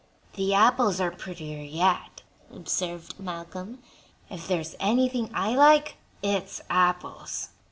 "The apples are prettier yet," observed Malcolm; "if there's anything I like, it's apples."